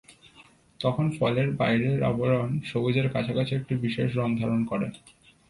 তখন ফলের বাইরের আবরণ সবুজের কাছাকাছি একটি বিশেষ রঙ ধারণ করে।